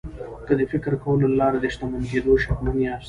که د فکر کولو له لارې د شتمن کېدو شکمن یاست